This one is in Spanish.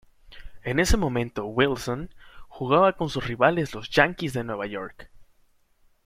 En ese momento, "Wilson" jugaba con sus rivales los Yankees de Nueva York.